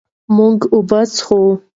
مونږ اوبه څښو.